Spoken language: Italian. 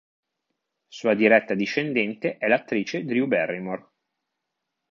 Sua diretta discendente è l'attrice Drew Barrymore.